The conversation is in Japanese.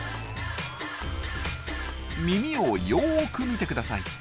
耳をよく見てください。